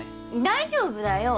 大丈夫だよ。